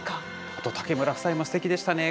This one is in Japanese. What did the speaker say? あと竹村夫妻もすてきでしたね。